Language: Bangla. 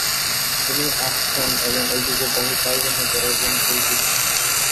তিনি আচকান এবং ঐতিহ্যবাহী পায়জামা পরার জন্য পরিচিত ছিলেন।